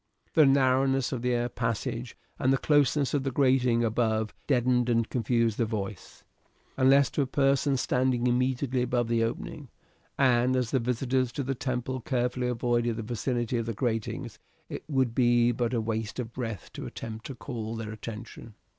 The narrowness of the air passage and the closeness of the grating above deadened and confused the voice, unless to a person standing immediately above the opening, and as the visitors to the temple carefully avoided the vicinity of the gratings, it would be but a waste of breath to attempt to call their attention.